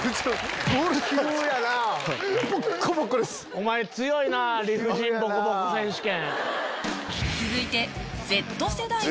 お前強いなぁ理不尽ボコボコ選手権。